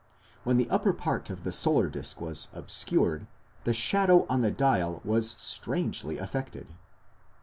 When the upper part of the solar disc was obscured, the shadow on the dial was strangely affected.